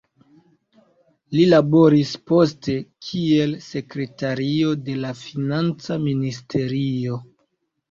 Li laboris poste kiel sekretario de la Financa ministerio.